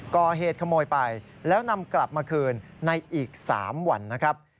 ก่อเหตุขโมยไปแล้วนำกลับมาคืนในอีก๓วันนะครับ